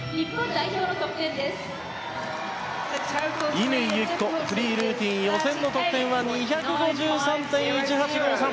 乾友紀子、フリールーティン予選の得点は２５３．１８５３。